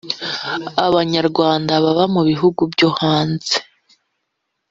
abanyarwanda baba mu bihugu byo hanze